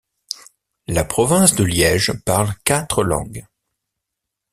La province de Liège parle quatre langues.